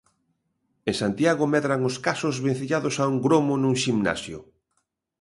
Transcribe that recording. En Santiago medran os casos vencellados a un gromo nun ximnasio.